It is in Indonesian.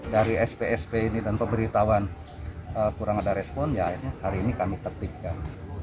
dari spsp ini dan pemberitahuan kurang ada respon ya akhirnya hari ini kami tertipkan